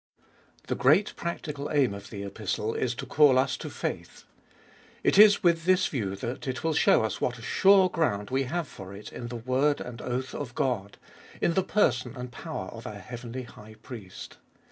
THE great practical aim of the Epistle is to call us to faith. It is with this view that it will show us what a sure ground we have for it in the word and oath of God, in the person and power of our heavenly High Priest.